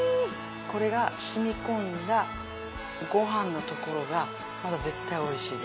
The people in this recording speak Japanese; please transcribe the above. これが染み込んだご飯の所が絶対おいしいです。